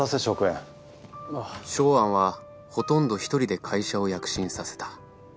ショウアンはほとんど一人で会社を躍進させた。